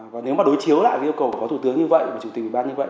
và nếu mà đối chiếu lại với yêu cầu của phó thủ tướng như vậy của chủ tịch uban như vậy